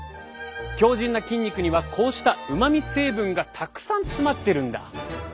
強靱な筋肉にはこうしたうまみ成分がたくさん詰まってるんだ。